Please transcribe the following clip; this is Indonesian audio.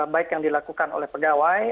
baik yang dilakukan oleh pegawai